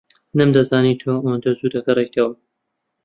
نەمدەزانی تۆ ئەوەندە زوو دەگەڕێیتەوە.